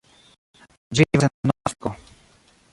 Ĝi vivas en Nordafriko.